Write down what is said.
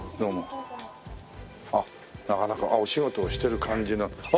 あっなかなかお仕事をしてる感じの。